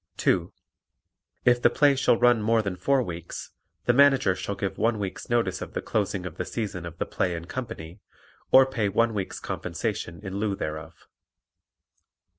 (2) If the play shall run more than four weeks, the Manager shall give one week's notice of the closing of the season of the play and company, or pay one week's compensation in lieu thereof.